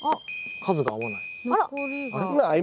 数が合わない。